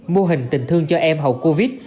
mô hình tình thương cho em hầu covid